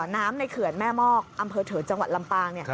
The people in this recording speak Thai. น้ำในเขื่อนแม่มอกอำเภอเถิดจังหวัดลำปาง